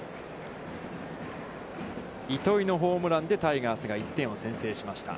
糸井のホームランでタイガースが１点を先制しました。